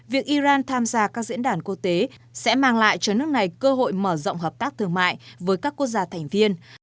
việc iran tham gia các diễn đàn quốc tế sẽ mang lại cho nước này cơ hội mở rộng hợp tác thương mại với các quốc gia thành viên